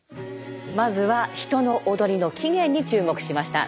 まずは人の踊りの起源に注目しました。